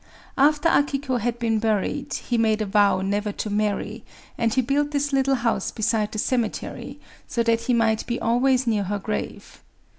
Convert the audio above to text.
After Akiko had been buried, he made a vow never to marry; and he built this little house beside the cemetery, so that he might be always near her grave.